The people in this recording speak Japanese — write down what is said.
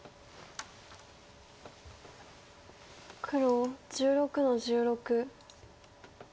黒１６の十六。